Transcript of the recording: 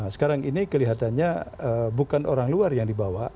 sekarang ini kelihatannya bukan orang luar yang dibawa